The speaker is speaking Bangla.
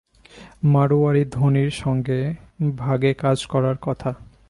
মাড়োয়ারি ধনীর সঙ্গে ভাগে কাজ করার কথা।